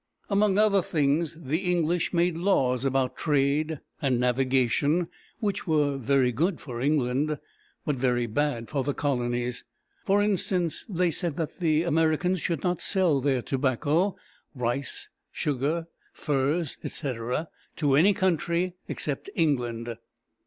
Among other things, the English made laws about trade and navigation which were very good for England, but very bad for the colonies. For instance, they said that the Americans should not sell their tobacco, rice, sugar, furs, etc., to any country except England.